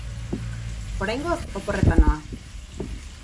Oraingoz, oporretan noa.